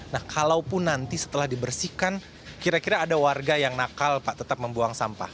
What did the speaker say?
nah kalaupun nanti setelah dibersihkan kira kira ada warga yang nakal pak tetap membuang sampah